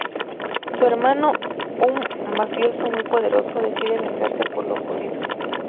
Su hermano, um mafioso muy poderoso, decide venganza por lo ocurrido.